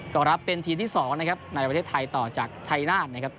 ก็รับเป็นทีมที่๒นะครับในประเทศไทยต่อจากชัยนาศนะครับ